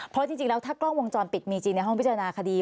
เพราะจริงแล้วถ้ากล้องวงจรปิดมีจริงในห้องพิจารณาคดี